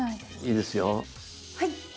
いいですよ。はいっ！